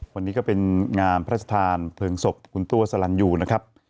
วันนี้ก็เป็นงามพระศทานเพิงศพคุณตัวสรรยูวงกระจ่างนะครับ